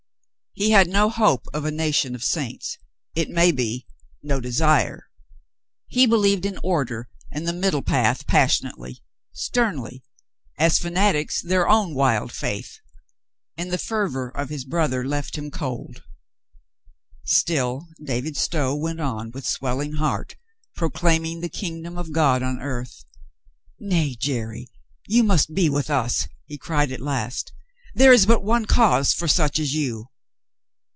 He had no hope of a nation of saints, it may be, no desire. He believed in order and the 74 COLONEL GREATHEART middle path passionately, sternly, as fanatics their own wild faith. And the fervor of his brother left him cold. Still David Stow went on with swelling heart proclaiming the kingdom of God on earth. "Nay, Jerry, you must be with us," he cried at last; "there is but one cause for such as you."